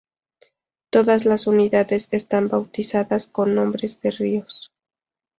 Todas las unidades estaban bautizadas con nombres de ríos.